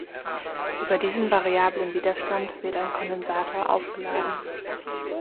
Über diesen variablen Widerstand wird ein Kondensator aufgeladen.